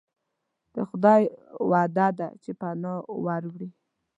د خدای وعده ده چې پناه وروړي.